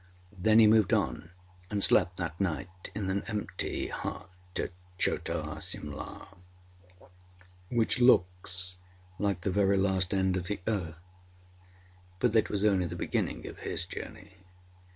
Then he moved on, and slept that night in an empty hut at Chota Simla, which looks like the very last end of the earth, but it was only the beginning of his journey.